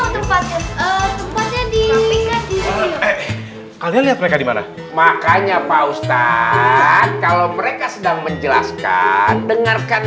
tempatnya tempatnya dinamika kalian lihat mereka dimana makanya pak ustadz kalau mereka sedang menjelaskan dengarkan